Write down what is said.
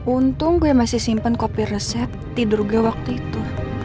untung gue masih simpen kopi resep tidurnya waktu itu